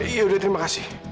yaudah terima kasih